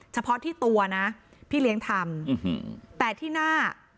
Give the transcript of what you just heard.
เฉพาะที่ตัวนะพี่เลี้ยงทำแต่ที่หน้า